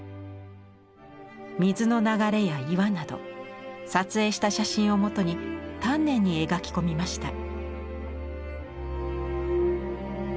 水の流れや岩など撮影した写真をもとに丹念に描き込みました。